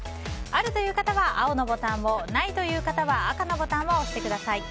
あるという方は青のボタンをないという方は赤のボタンを押してください。